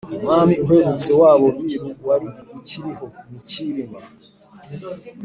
umwami uherutse w'abo biru wari ukiriho ni cyilima